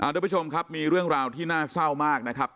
ทุกผู้ชมครับมีเรื่องราวที่น่าเศร้ามากนะครับ